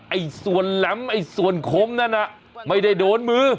ไอ้ส่วนแหลมไอ้ส่วนคมนั้นน่ะไม่ได้โดนมือ